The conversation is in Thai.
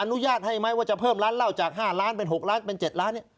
อนุญาตให้ไหมว่าจะเพิ่มร้านเหล้าจาก๕ล้านเป็น๖ล้านเป็น๗ล้าน